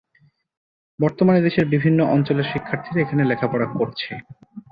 বর্তমানে দেশের বিভিন্ন অঞ্চলের শিক্ষার্থীরা এখানে লেখাপড়া করছে।